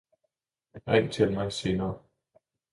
Ring til mig senere